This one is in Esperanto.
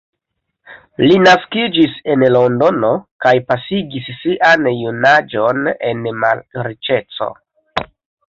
Li naskiĝis en Londono kaj pasigis sian junaĝon en malriĉeco.